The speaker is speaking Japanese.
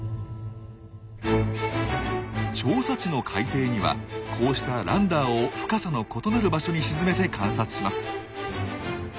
調査地の海底にはこうしたランダーを深さの異なる場所に沈めて観察します。